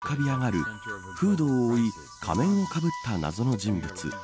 暗がりに浮かび上がるフードを覆い仮面をかぶった謎の人物。